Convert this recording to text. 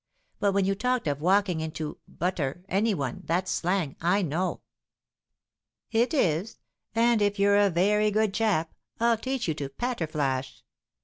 But when you talked of 'walking into (buter) any one,' that's slang, I know." "It is; and, if you're a very good chap, I'll teach you to 'patter flash.'